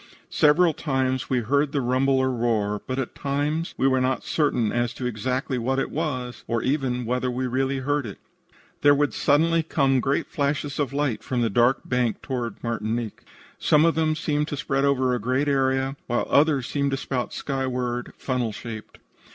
Several times we heard the rumble or roar, but at the time we were not certain as to exactly what it was, or even whether we really heard it. "There would suddenly come great flashes of light from the dark bank toward Martinique. Some of them seemed to spread over a great area, while others appeared to spout skyward, funnel shaped.